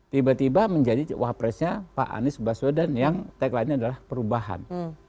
tiba tiba menjadi wapresnya pak anies baswedan yang tagline nya adalah perubahan